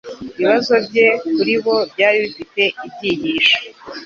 ibibazo bye kuribo byari bifite ibyigisho.